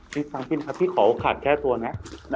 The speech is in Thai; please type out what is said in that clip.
นี่ทางพี่นะพี่ขอโอกาสแก้ตัวนะ